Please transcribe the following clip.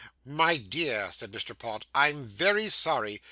'My dear,' said Mr. Pott, 'I'm very sorry.